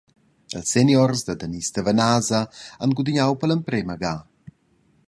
Ils seniors da Danis-Tavanasa han gudignau per l’emprema gada.